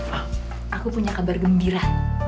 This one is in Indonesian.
oh aku punya kabar gembira